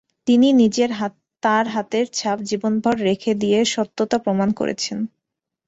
তিনি নিজেই তার হাতের ছাপ জীবনভর রেখে দিয়ে সত্যতা প্রমাণ করেছেন।